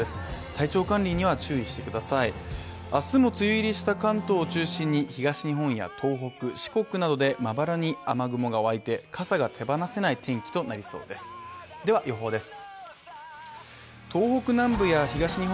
体調管理には注意してください明日も梅雨入りした関東を中心に、東日本や東北、四国などでまばらに雨雲が湧いて、傘が手放せない天気となりそうですでは予報です。